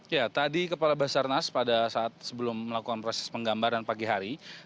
ya tadi kepala basarnas pada saat sebelum melakukan proses penggambaran pagi hari